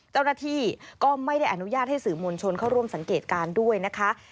เจ้าหน้าที่ก็ไม่ได้อนุญาตให้สื่อมวลชนเข้าร่วมสังเกตการณ์ด้วยนะคะ